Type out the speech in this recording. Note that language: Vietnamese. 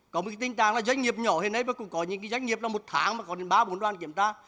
có một tình trạng là doanh nghiệp nhỏ hiện nay cũng có những doanh nghiệp là một tháng mà có ba bốn đoàn kiểm ta